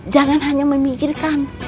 jangan hanya memikirkan